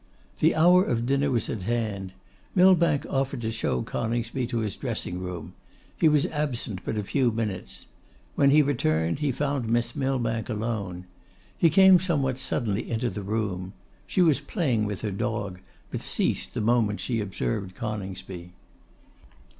The hour of dinner was at hand. Millbank offered to show Coningsby to his dressing room. He was absent but a few minutes. When he returned he found Miss Millbank alone. He came somewhat suddenly into the room. She was playing with her dog, but ceased the moment she observed Coningsby.